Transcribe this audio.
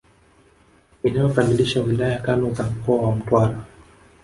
Inayokamilisha wilaya tano za mkoa wa Mtwara